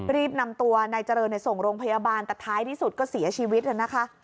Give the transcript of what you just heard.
รีบนำตัวนายเจริญส่งโรงพยาบาลแต่ท้ายที่สุดก็เสียชีวิตนะคะ